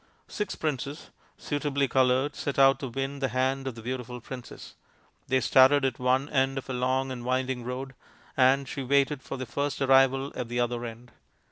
Six princes, suitably coloured, set out to win the hand of the beautiful princess. They started at one end of a long and winding road, and she waited for the first arrival at the other end.